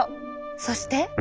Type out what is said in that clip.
そして。